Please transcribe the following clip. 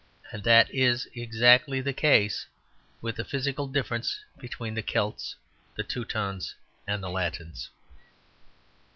And that is exactly the case with the physical difference between the Celts, the Teutons and the Latins.